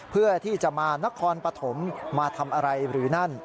เพื่อที่จะมานครปฐมมาทำอะไรหรือนั่น